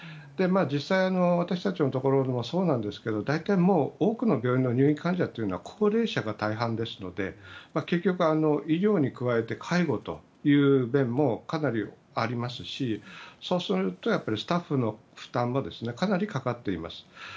実際、私たちのところでもそうなんですが大体、多くの病院の入院患者は高齢者が大半ですので結局、医療に加えて介護という面もありますしそうすると、スタッフの負担もかなりかかっています。